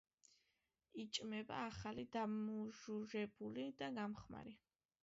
იჭმება ახალი, დამუჟუჟებული და გამხმარი.